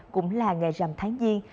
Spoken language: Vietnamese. cũng là ngày rằm tháng diên